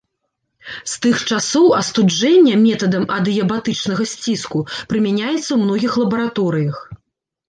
З тых часоў астуджэнне метадам адыябатычнага сціску прымяняецца ў многіх лабараторыях.